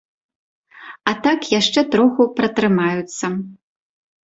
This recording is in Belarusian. А так яшчэ троху пратрымаюцца.